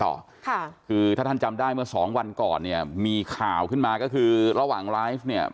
ต่อค่ะคือถ้าท่านจำได้เมื่อสองวันก่อนเนี่ยมีข่าวขึ้นมาก็คือระหว่างไลฟ์เนี่ย